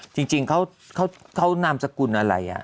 จริงเขานามสกุลอะไร